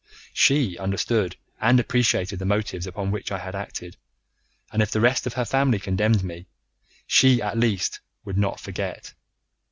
She understood and appreciated the motives upon which I had acted, and if the rest of her family condemned me, she, at least, would not forget.